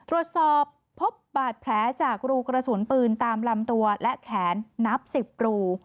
ตรวจสอบพบบาดแผลจากรูกระสุนปืนตามลำตัวและแขนนับ๑๐รู